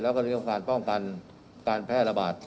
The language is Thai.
และการป้องกันการแพร่ระบาด